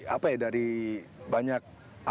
apa ya dari banyak